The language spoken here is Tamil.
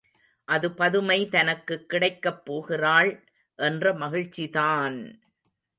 அது பதுமை தனக்குக் கிடைக்கப் போகிறாள் என்ற மகிழ்ச்சிதான்!